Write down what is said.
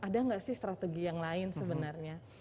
ada nggak sih strategi yang lain sebenarnya